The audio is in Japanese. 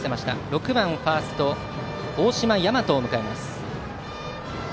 ６番ファースト大島陵翔を迎えます。